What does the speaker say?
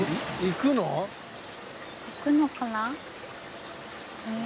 行くのかな？